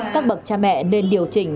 các bậc cha mẹ nên điều chỉnh